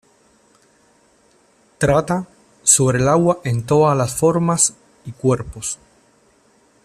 Trata sobre el agua en todas las formas y cuerpos.